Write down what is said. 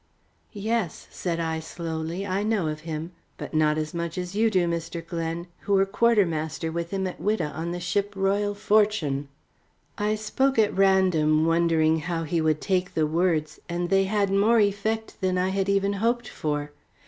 "Yes," said I, slowly, "I know of him, but not as much as you do, Mr. Glen, who were quartermaster with him at Whydah on the ship Royal Fortune." I spoke at random, wondering how he would take the words, and they had more effect than I had even hoped for.